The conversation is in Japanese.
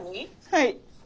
はい。